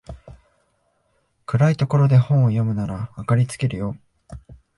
暗いところで本を読むなら明かりつけるよ